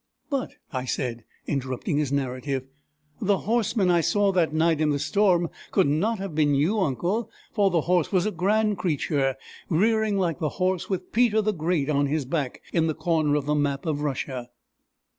"But," I said, interrupting his narrative, "the horseman I saw that night in the storm could not have been you, uncle; for the horse was a grand creature, rearing like the horse with Peter the Great on his back, in the corner of the map of Russia!"